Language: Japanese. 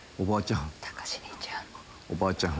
おばあちゃん！